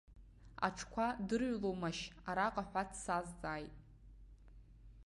Аҽқәа дырҩломашь араҟа ҳәа дсазҵааит.